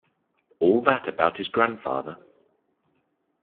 All that about his grandfather?